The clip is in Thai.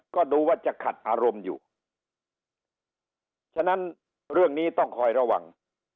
ก็ดูว่าจะขัดอารมณ์อยู่ฉะนั้นเรื่องนี้ต้องคอยระวัง